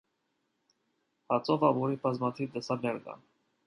Հացով ապուրի բազմաթիվ տեսակներ կան։